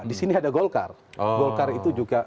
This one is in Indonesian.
disini ada golkar golkar itu juga